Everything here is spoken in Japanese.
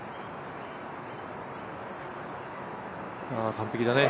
完璧だね。